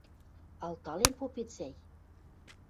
— Алтален попет, сӓй?